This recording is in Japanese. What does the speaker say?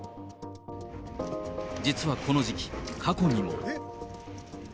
実はこの時期、過去にも。